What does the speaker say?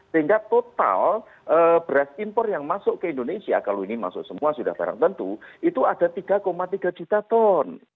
sehingga total beras impor yang masuk ke indonesia kalau ini masuk semua sudah barang tentu itu ada tiga tiga juta ton